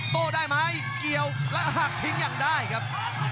โต้ได้ไหมเกี่ยวและหักทิ้งอย่างได้ครับ